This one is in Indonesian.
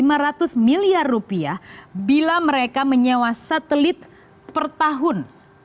rp lima ratus miliar rupiah bila mereka menyewa satelit per tahun